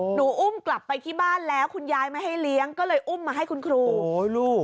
อุ้มกลับไปที่บ้านแล้วคุณยายไม่ให้เลี้ยงก็เลยอุ้มมาให้คุณครูโอ้ยลูก